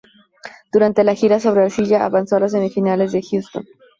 Durante la gira sobre arcilla avanzó a las semifinales de Houston.